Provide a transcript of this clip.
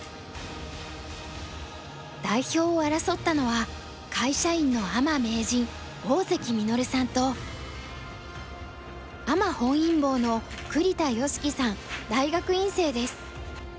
代表を争ったのは会社員のアマ名人大関稔さんとアマ本因坊の栗田佳樹さん大学院生です。